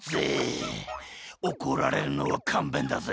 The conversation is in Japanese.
おこられるのはかんべんだぜ。